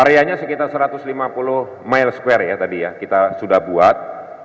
areanya sekitar satu ratus lima puluh mile square ya tadi ya kita sudah buat